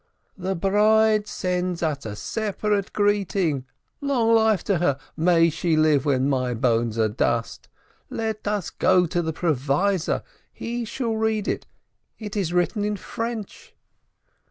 "The bride sends us a separate greeting, long life to her, may she live when my bones are dust. Let us go to the provisor, he shall read it ; it is written in French."